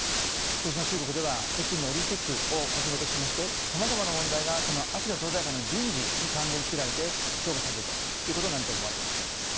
今年の中国では北京のオリンピックをはじめとしましてさまざまな問題がこの秋の党大会の人事に関連づけられて評価されるということになると思われます。